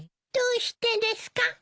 どうしてですか？